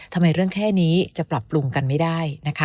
ทำไมเรื่องแค่นี้จะปรับปรุงกันไม่ได้นะคะ